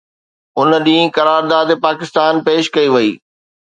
ان ڏينهن قرارداد پاڪستان پيش ڪئي وئي